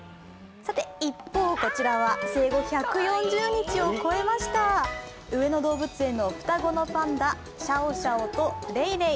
一方、生後１４０日を超えました上野動物園の双子のパンダ、シャオシャオとレイレイ。